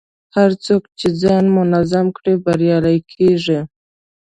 هر څوک چې ځان منظم کړي، بریالی کېږي.